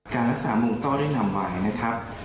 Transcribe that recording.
การรักษาเมืองต้อได้นำไว้นะครับ